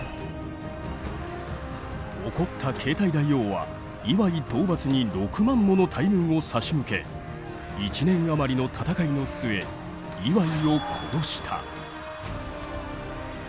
怒った継体大王は磐井討伐に６万もの大軍を差し向け１年余りの戦いの末磐井を殺した。